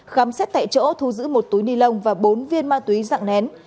khám xét tại chỗ thu giữ một túi nilon và bốn viên ma túy dạng nén